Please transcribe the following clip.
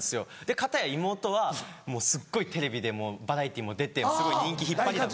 片や妹はもうすっごいテレビでバラエティーも出てすごい人気引っ張りだこ。